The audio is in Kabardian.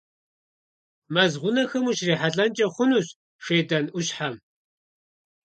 Мэз гъунэхэм ущрихьэлӀэнкӀэ хъунущ шейтӀанӀущхъэм.